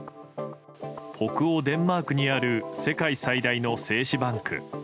北欧デンマークにある世界最大の精子バンク。